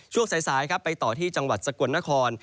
ช่วงสายไปต่อที่จังหวัดสกวรนคร